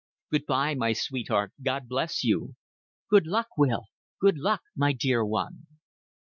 "Good by, my sweetheart. God bless you." "Good luck, Will. Good luck, my dear one."